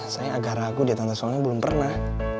saya agak ragu di tante soalnya belum pernah